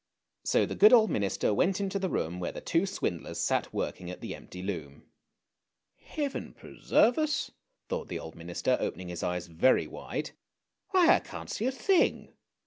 So the good old minister went into the room where the two swindlers sat working at the empty loom. "Heaven preserve us! " thought the old minister, opening his eyes very wide. " Why I can't see a thing!